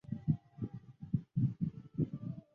单花忍冬为忍冬科忍冬属的植物。